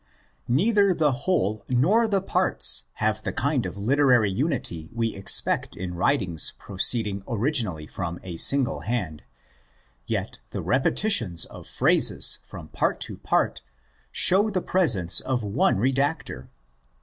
Neither the whole nor the parts have the kind of literary unity we expect in writings proceeding originally from a single hand, Yet the repetitions of phrases from part to part show the presence of one redactor.